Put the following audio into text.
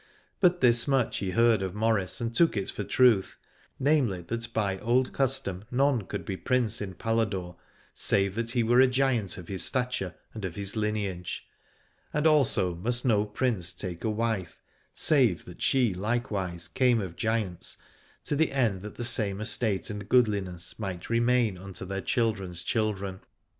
But this much he heard of Maurice and took it for truth, namely that by old custom none could be Prince in Paladore save that he were a giant of his stature and of his lineage : also must no Prince take a wife save that she likewise came of giants, to the end that the same estate and goodliness might remain unto their children's children.